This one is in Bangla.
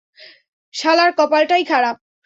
শালার কপালটাই খারাপ।